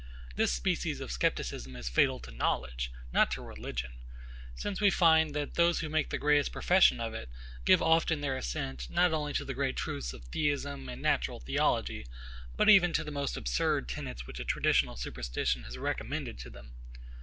This species of scepticism is fatal to knowledge, not to religion; since we find, that those who make greatest profession of it, give often their assent, not only to the great truths of Theism and natural theology, but even to the most absurd tenets which a traditional superstition has recommended to them.